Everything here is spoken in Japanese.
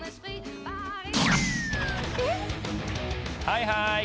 はいはい。